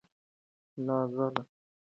له ازله خدای په قهر را کتلي